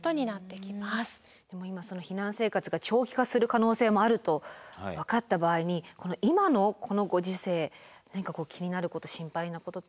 でも今その避難生活が長期化する可能性もあると分かった場合に今のこのご時世何かこう気になること心配なことってありますか。